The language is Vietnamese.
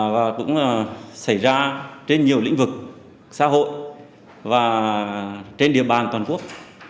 và cũng xảy ra trên nhiều lĩnh vực xã hội và trên địa bàn toàn quốc